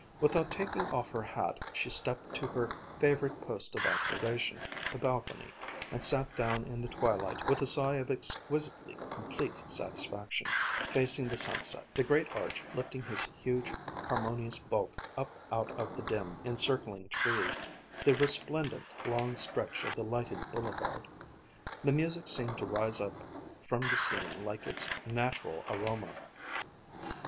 Without taking off her hat she stepped to her favorite post of observation, the balcony, and sat down in the twilight with a sigh of exquisitely complete satisfaction, facing the sunset, the great arch lifting his huge, harmonious bulk up out of the dim, encircling trees, the resplendent long stretch of the lighted boulevard. The music seemed to rise up from the scene like its natural aroma.